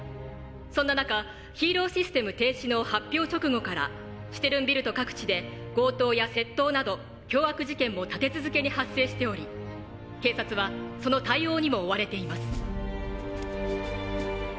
そんな中ヒーローシステム停止の発表直後からシュテルンビルト各地で強盗や窃盗など凶悪事件も立て続けに発生しており警察はその対応にも追われています」。